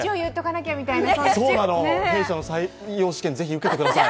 弊社の採用試験受けてください。